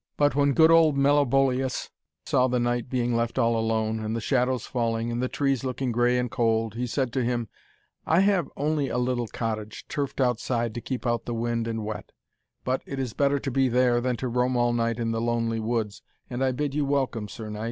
But when good old Meliboeus saw the knight being left all alone, and the shadows falling, and the trees looking grey and cold, he said to him, 'I have only a little cottage, turfed outside to keep out the wind and wet, but it is better to be there than to roam all night in the lonely woods, and I bid you welcome, Sir Knight.'